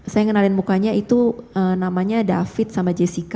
saya kenalin mukanya itu namanya david sama jessica